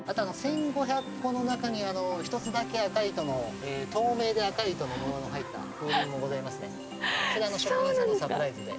１５００個の中に１つだけ、赤い糸の、透明で赤い糸の模様が入った風鈴もございますね。